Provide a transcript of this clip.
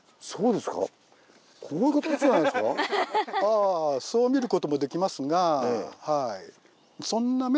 あそう見ることもできますがそう。